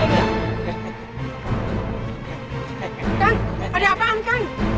kan ada apaan kan